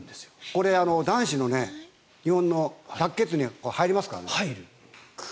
これ男子の日本に入りますからね。